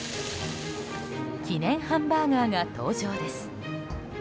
記念ハンバーガーが登場です。